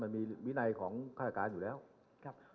มีธนาคารให้เข้าเครื่องนับ